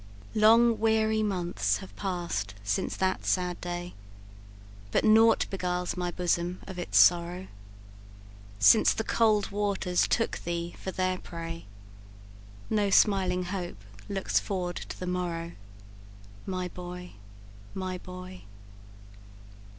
"Long weary months have pass'd since that sad day, But naught beguiles my bosom of its sorrow; Since the cold waters took thee for their prey, No smiling hope looks forward to the morrow My boy my boy!